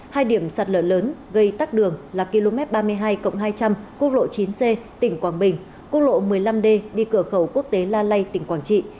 hai điểm sạt lở lớn gây tắc đường là km ba mươi hai hai trăm linh quốc lộ chín c tỉnh quảng bình quốc lộ một mươi năm d đi cửa khẩu quốc tế la lây tỉnh quảng trị